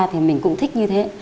thì mình cũng thích như thế